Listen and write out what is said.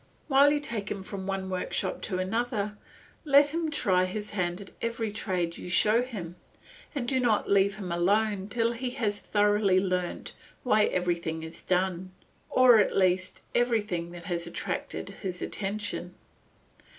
While you take him from one workshop to another, let him try his hand at every trade you show him, and do not let him leave it till he has thoroughly learnt why everything is done, or at least everything that has attracted his attention.